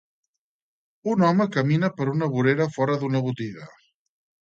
Un home camina per una vorera fora d'una botiga.